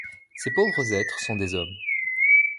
Ces pauvres êtres sont des hommes.